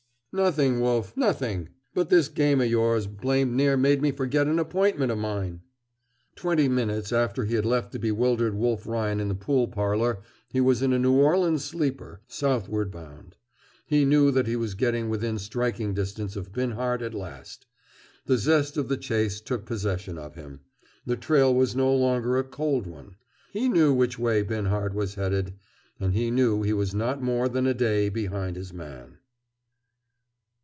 "Nothing, Wolf, nothing! But this game o' yours blamed near made me forget an appointment o' mine!" Twenty minutes after he had left the bewildered Wolf Ryan in the pool parlor he was in a New Orleans sleeper, southward bound. He knew that he was getting within striking distance of Binhart, at last. The zest of the chase took possession of him. The trail was no longer a "cold" one. He knew which way Binhart was headed. And he knew he was not more than a day behind his man.